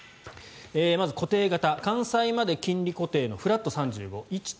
まず固定型、完済まで金利固定のフラット３５。